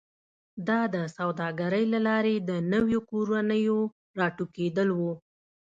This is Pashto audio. دا د سوداګرۍ له لارې د نویو کورنیو راټوکېدل و